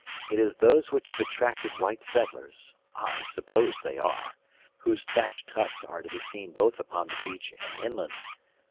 It is those which have attracted white settlers (I suppose they are), whose thatched huts are to be seen both upon the beach and in land.